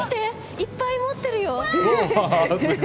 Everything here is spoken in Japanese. いっぱい持ってるよ。